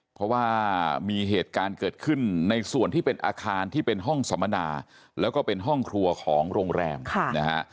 เพราะว่ามีเหตุการณ์เกิดขึ้นในส่วนที่เป็นอาคารที่เป็นห้องสัมมนาแล้วก็เป็นห้องครัวของโรงแรมนะฮะ